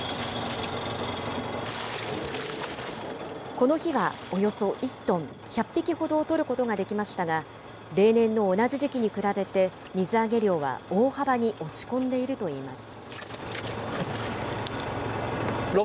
この日はおよそ１トン、１００匹ほどを取ることができましたが、例年の同じ時期に比べて、水揚げ量は大幅に落ち込んでいるといいます。